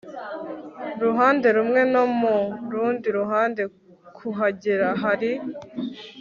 ruhande rumwe no mu rundi ruhande kuhagera hari